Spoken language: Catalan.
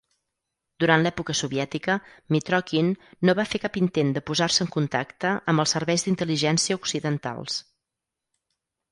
Durant l'època soviètica, Mitrokhin no va fer cap intent de posar-se en contacte amb els serveis d'intel·ligència occidentals.